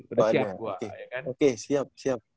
udah siap gue oke siap